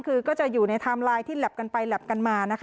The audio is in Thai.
ก็จะอยู่ในทำไลท์ที่แลปกันไปแลปกันมานะคะ